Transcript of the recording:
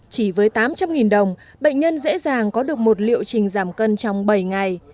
chỉ với tám trăm linh đồng bệnh nhân dễ dàng có được một liệu trình giảm cân trong bảy ngày